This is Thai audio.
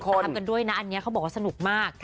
ตามกันด้วยนะอันนี้เขาบอกว่าสนุกมาก